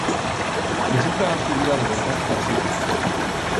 Presentan actividade volcánica e sísmica.